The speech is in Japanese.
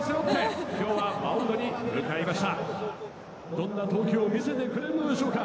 「どんな投球を見せてくれるのでしょうか？」